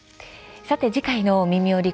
次回の「みみより！